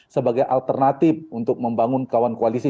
sebagai alternatif untuk membangun kawan koalisi